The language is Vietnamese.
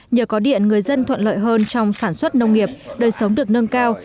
nhờ có điện người dân thuận lợi hơn trong sản xuất nông nghiệp đời sống được nâng cao